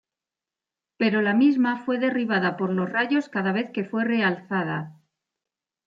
Pero la misma fue derribada por los rayos cada vez que fue realzada.